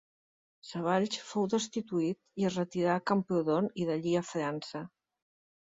Savalls fou destituït i es retirà a Camprodon, i d'allí a França.